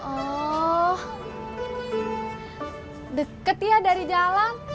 oh deket ya dari jalan